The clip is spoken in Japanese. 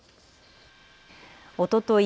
おととい